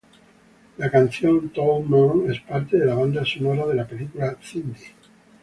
La canción "Tall Men" es parte de la banda sonora de la película "Cindy".